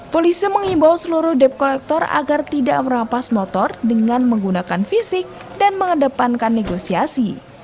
polisi mengimbau seluruh debt collector agar tidak merapas motor dengan menggunakan fisik dan mengedepankan negosiasi